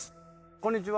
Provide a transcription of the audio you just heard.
こんにちは。